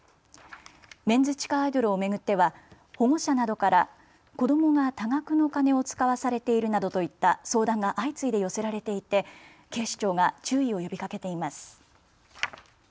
メンズ地下アイドルを巡っては保護者などから子どもが多額の金を使わされているなどといった相談が相次いで寄せられていて警視庁が注意を呼びかけています。